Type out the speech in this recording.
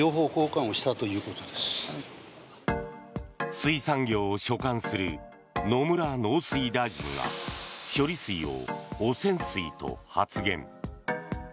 水産業を所管する野村農水大臣が処理水を汚染水と発言。